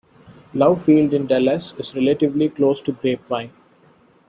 Love Field in Dallas is relatively close to Grapevine.